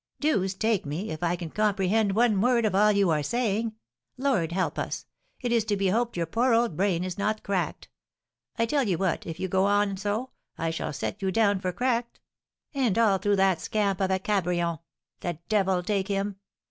"Deuce take me, if I can comprehend one word of all you are saying! Lord, help us! It is to be hoped your poor old brain is not cracked. I tell you what, if you go on so, I shall just set you down for cracked; and all through that scamp of a Cabrion, the devil take him!